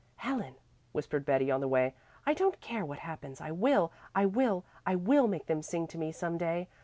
"Helen," whispered Betty on the way, "I don't care what happens, I will, I will, I will make them sing to me some day.